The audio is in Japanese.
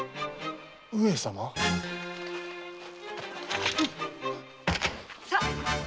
上様⁉さあ！